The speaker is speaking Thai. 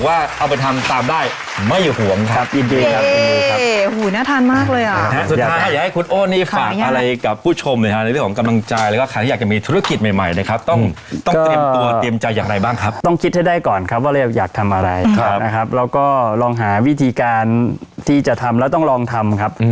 ว่าเอาไปทำตามได้ไม่ห่วงครับยินดีครับโอเคครับสุดท้ายอยากให้คุณโอ้นี่ฝากอะไรกับผู้ชมหน่อยฮะในเรื่องของกำลังใจแล้วก็ใครที่อยากจะมีธุรกิจใหม่ใหม่นะครับต้องต้องเตรียมตัวเตรียมใจอย่างไรบ้างครับต้องคิดให้ได้ก่อนครับว่าเราอยากทำอะไรครับนะครับแล้วก็ลองหาวิธีการที่จะทำแล้วต้องลองทำครับ